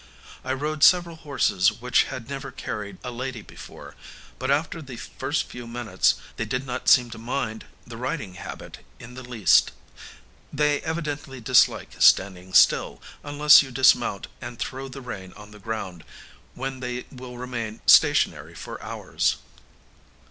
I rode several horses which had never carried a lady before; but after the first few minutes they did not seem to mind the riding habit in the least. They evidently dislike standing still, unless you dismount and throw the rein on the ground, when they will remain stationary for hours.